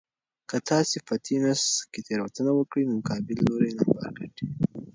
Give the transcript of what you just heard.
که تاسي په تېنس کې تېروتنه وکړئ نو مقابل لوری نمبر ګټي.